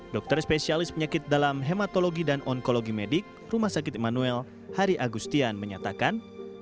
dokter spesialis penyakit dalam hematologi dan onkologi medik rumah sakit immanuel hari agustian menyatakan